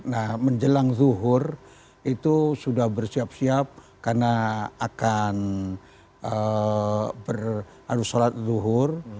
nah menjelang zuhur itu sudah bersiap siap karena akan berharus sholat duhur